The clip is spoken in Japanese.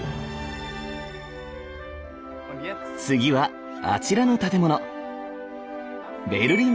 次はあちらの建物。